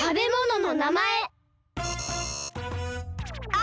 あ！